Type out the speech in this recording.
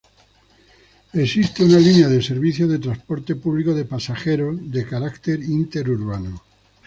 Existe una línea de servicio de transporte público de pasajeros, de carácter interurbano.